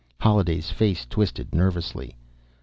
Holliday's face twisted nervously.